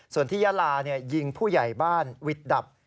ส่วนที่ยาลายิงผู้ใหญ่บ้านวิทย์ดับ